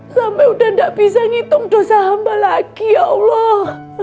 sampai udah gak bisa ngitung dosa hamba lagi ya allah